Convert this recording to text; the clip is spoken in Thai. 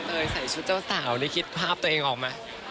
ใส่ชุดเจ้าสาวได้คิดภาพตัวเองออกไหม